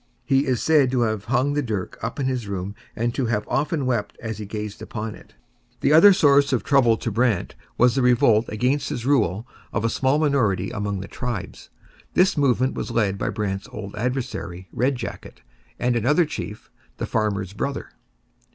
He is said to have hung the dirk up in his room and to have often wept as he gazed upon it. The other source of trouble to Brant was the revolt against his rule of a small minority among the tribes. This movement was led by Brant's old adversary, Red Jacket, and another chief, the Farmer's Brother.